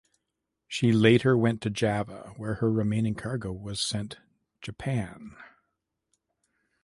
She later went to Java where her remaining cargo was sent Japan.